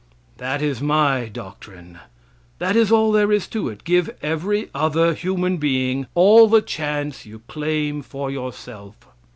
That is my doctrine. That is all there is to it; give every other human being all the chance you claim for yourself.